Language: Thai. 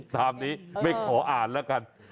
ตามนี้ไม่ขออ่านแล้วกัน